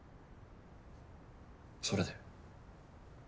それで？